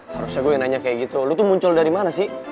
harusnya gue yang nanya kayak gitu lu tuh muncul dari mana sih